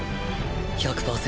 １００％